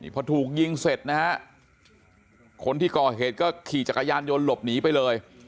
พอถูกยิงเสร็จนะฮะคนที่ก่อเหตุก็ขี่จักรยานยนต์หลบหนีไปเลย